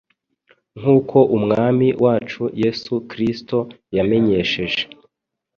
nk’uko Umwami wacu Yesu Kristo yamenyesheje.